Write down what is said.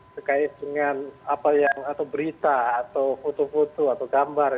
terkait dengan apa yang atau berita atau foto foto atau gambar